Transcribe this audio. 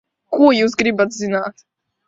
Ko jūs gribat zināt?